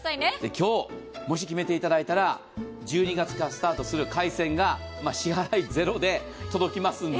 今日、もし決めていただいたら１２月からスタートする海鮮が支払いゼロで届きますので。